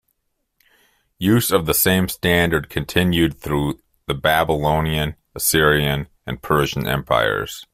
Use of the same standard continued through the Babylonian, Assyrian, and Persian Empires.